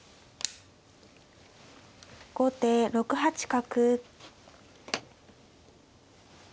後手６八角。